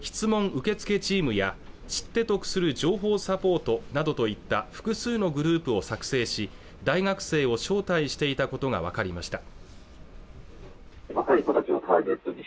受付チームや知って得する情報サポートなどといった複数のグループを作成し大学生を招待していたことが分かりました